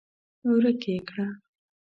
ورک يې کړه!